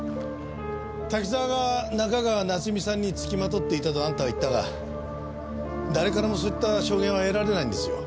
滝沢が中川夏美さんにつきまとっていたとあんたは言ったが誰からもそういった証言は得られないんですよ。